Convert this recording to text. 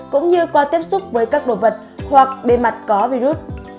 cũng như qua tiếp xúc với các đồ vật hoặc bề mặt có virus